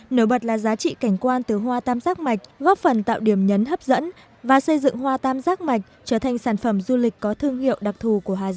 nổi bật là giá trị cảnh quan từ hoa tam giác mạch góp phần tạo điểm nhấn hấp dẫn và xây dựng hoa tam giác mạch trở thành sản phẩm du lịch có thương hiệu đặc thù của hà giang